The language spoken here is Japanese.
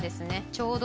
ちょうど。